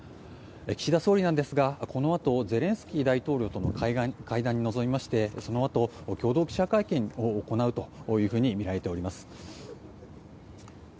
岸田総理なんですがこのあと、ゼレンスキー大統領と会談に臨みましてそのあと共同記者会見を行うとみられております。